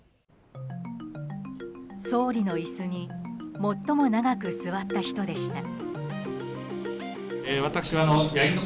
総理の椅子に最も長く座った人でした。